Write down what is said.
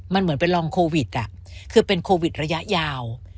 มันเหมือนเป็นรองโควิดคือเป็นโควิดระยะยาว